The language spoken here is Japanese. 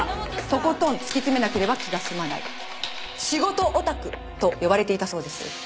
とことん突き詰めなければ気が済まない「仕事オタク」と呼ばれていたそうです。